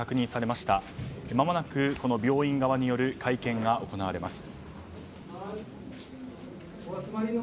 まもなくこの病院側による会見が行われます。